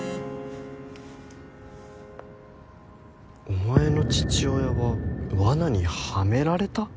「お前の父親は罠にハメられた」？